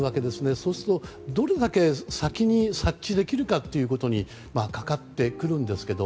そうすると、どれだけ先に察知できるかということにかかってくるんですけど。